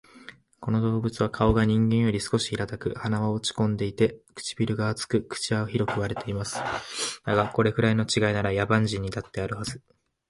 この動物は顔が人間より少し平たく、鼻は落ち込んでいて、唇が厚く、口は広く割れています。だが、これくらいの違いなら、野蛮人にだってあるはず